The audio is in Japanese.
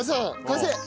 完成！